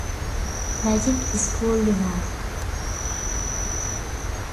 Magic School Lunar!